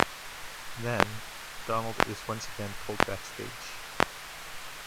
Then, Donald is once again pulled backstage.